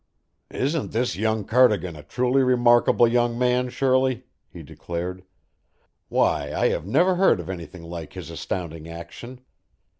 "Isn't this young Cardigan a truly remarkable young man, Shirley?" he declared. "Why, I have never heard of anything like his astounding action.